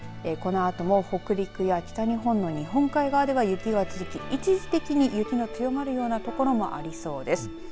このあとも北陸や北日本の日本海側では雪が続き一時的に雪の強まるような所もありそうです。